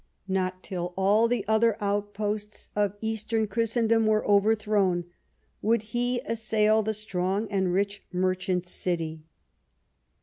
Not till all the other outposts of Eastern Christendom were overthrown would he assail the strong and rich merchant city.